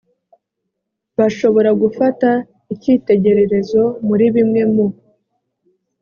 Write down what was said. bashobora gufata icyitegererezo muri bimwe mu